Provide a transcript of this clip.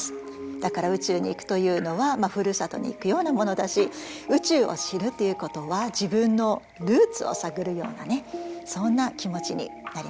だから宇宙に行くというのはふるさとに行くようなものだし宇宙を知るということは自分のルーツを探るようなねそんな気持ちになりますよ。